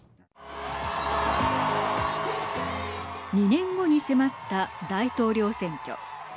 ２年後に迫った大統領選挙。